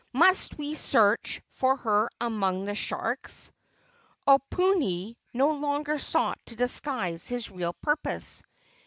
Must we search for her among the sharks?" Oponui no longer sought to disguise his real purpose.